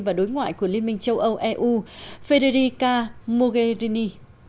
và đối ngoại của liên minh châu âu eu federica mogherini